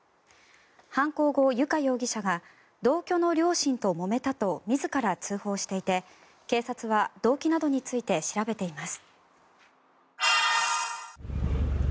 犯行後、友香容疑者は同居の両親ともめたと自ら通報していて警察は動機などについて調べています。